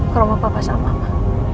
ke rumah papa sama mama